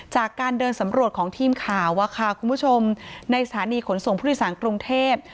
จากการเดินสำรวจของทีมข่าวว่าค่ะคุณผู้ชมในสถานีขนส่งพฤษฐานกรุงเทพฯ